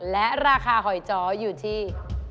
และราคาหอยจ๋ออยู่ที่